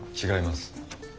違います。